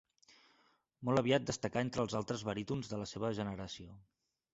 Molt aviat destacà entre els altres barítons de la seva generació.